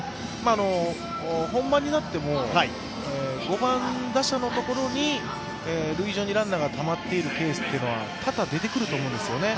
本番になっても５番打者のところに塁上にランナーがたまっているケースは多々出てくると思うんですよね。